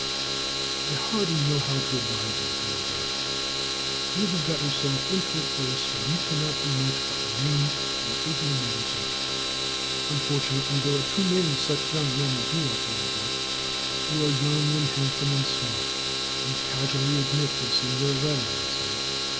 I hardly know how to advise you, Adelbert. You have got yourself into a place where you cannot do much but remain and take your medicine. Unfortunately, there are too many such young men as you are, Adelbert. You are young, and handsome, and smart. You casually admit this in your letter, I see.